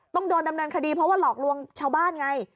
ต้องโดนดำเนินคดีเพราะว่าหลอกลวงชาวบ้านไง